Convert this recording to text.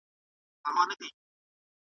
د تور شیطان د جهل او سوځلي ,